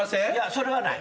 それはない。